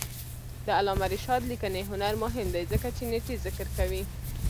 د علامه رشاد لیکنی هنر مهم دی ځکه چې نېټې ذکر کوي.